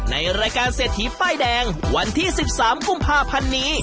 ในรายการเศรษฐีป้ายแดงวันที่๑๓กุมภาพันธ์นี้